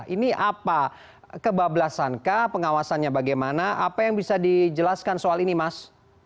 ini apa kebablasankah pengawasannya bagaimana apa yang bisa dijelaskan soal ini mas